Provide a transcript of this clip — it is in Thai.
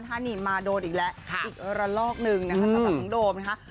ท่านนี่มาโดนอีกแล้วอีกระลอกหนึ่งนะคะสำหรับน้องโดมนะคะ